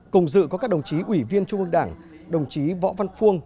cùng dự có các đồng chí ủy viên trung ương đảng đồng chí võ văn phuông